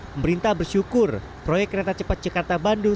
pemerintah bersyukur proyek kereta cepat jakarta bandung